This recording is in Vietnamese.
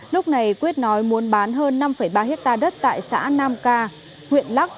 lúc này quyết nói muốn bán hơn năm ba hectare đất tại xã nam ca huyện lắc